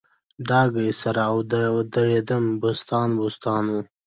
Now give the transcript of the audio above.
ډاګی سر او دړیدم بوستان بوستان و